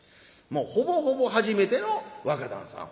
ほぼほぼ初めての若旦さん